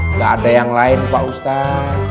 nggak ada yang lain pak ustadz